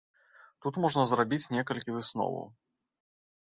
Тут можна зрабіць некалькі высноваў.